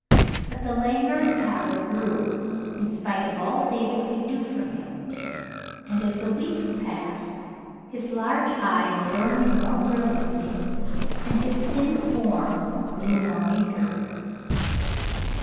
But the languor and pallor grew in spite of all David David takes Hoyle to Canada 209 could do for him, and as the weeks passed his large eyes burned more brilliantly and his thin form grew more meagre.